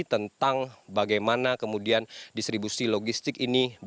tentang bagaimana kemudian distribusi logistik ini akan berkumpul